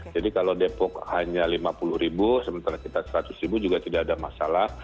jadi kalau depok hanya lima puluh ribu sementara kita seratus ribu juga tidak ada masalah